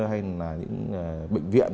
hay là những bệnh viện